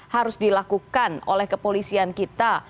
harus dilakukan oleh kepolisian kita